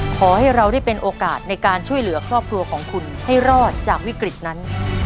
ขอให้เราได้เป็นโอกาสในการช่วยเหลือครอบครัวของคุณให้รอดจากวิกฤตนั้น